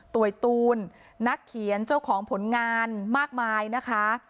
่วยตูนนักเขียนเจ้าของผลงานมากมายนะคะ